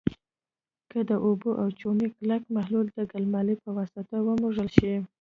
که د اوبو او چونې کلک محلول د ګلمالې په واسطه ومږل شي.